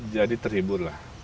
jadi terhibur lah